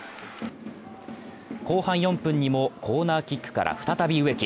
後半４分にもコーナーキックから再び植木。